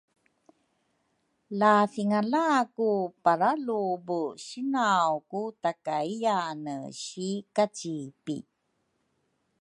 La thingala ku paralubu sinaw ku takayyane si kacipi